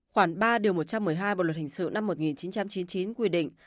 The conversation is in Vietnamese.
khoảng ba điều một trăm một mươi hai bộ luật hình sự năm một nghìn chín trăm chín mươi chín quy định